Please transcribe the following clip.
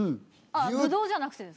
あっぶどうじゃなくてですか？